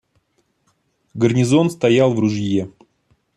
Гарнизон стоял в ружье.